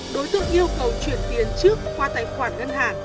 đối tượng yêu cầu chuyển tiền trước qua tài khoản ngân hàng